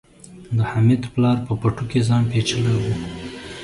د حميد پلار په پټو کې ځان پيچلی و.